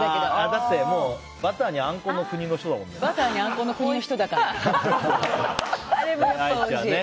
だってバターにあんこの国の人だもんね。